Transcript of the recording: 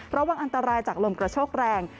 ระวังอันตรายจากลมกระโชกแรง